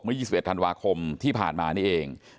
๒๑ธันวาคมที่ผ่านมานี่เอง